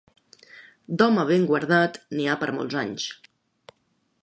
D'home ben guardat, n'hi ha per molts anys.